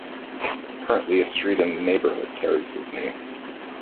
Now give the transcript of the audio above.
Currently, a street in the neighbourhood carries his name.